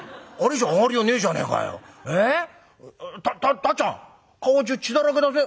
たたっちゃん顔中血だらけだぜ。